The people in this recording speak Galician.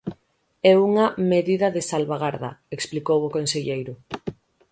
É unha "medida de salvagarda", explicou o conselleiro.